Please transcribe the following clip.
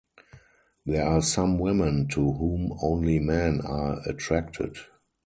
There are some women to whom only men are attracted.